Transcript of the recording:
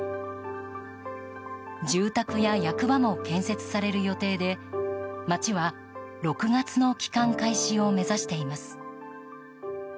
住宅や役場も建設される予定で町は６月の帰還開始を目指しています。